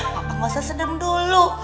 papa nggak usah senang dulu